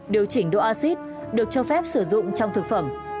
điều chỉnh đồ axit được cho phép sử dụng trong thực phẩm